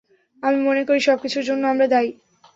আমি মনে করি, সবকিছুর জন্য আমরা দায়ী।